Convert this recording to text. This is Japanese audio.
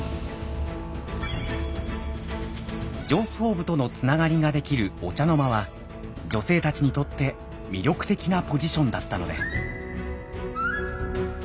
上層部とのつながりができる御茶之間は女性たちにとって魅力的なポジションだったのです。